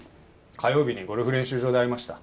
火曜日にゴルフ練習場で会いました。